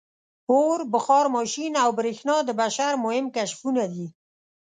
• اور، بخار ماشین او برېښنا د بشر مهم کشفونه دي.